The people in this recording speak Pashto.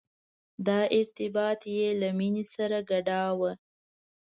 دا ارتباط یې له مینې سره ګډاوه.